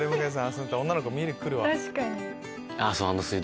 遊んでたら女の子見にくるわ。